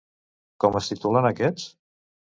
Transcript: Com es titulen aquests?